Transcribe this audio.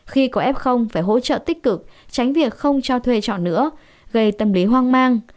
khi có f phải hỗ trợ tích cực tránh việc không cho thuê trọ nữa gây tâm lý hoang mang